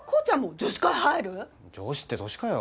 女子って年かよ。